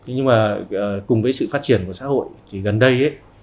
nhưng mà cùng với sự phát triển của xã hội thì gần đây